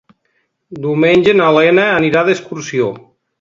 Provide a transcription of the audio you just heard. Diumenge na Lena anirà d'excursió.